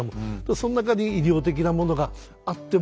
その中に医療的なものがあっても。